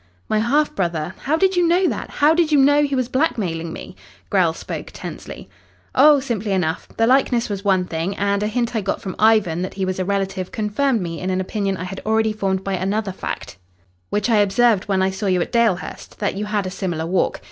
"My half brother. How did you know that? How did you know he was blackmailing me?" Grell spoke tensely. "Oh, simply enough. The likeness was one thing, and a hint I got from Ivan that he was a relative confirmed me in an opinion I had already formed by another fact which I observed when I saw you at Dalehurst that you had a similar walk.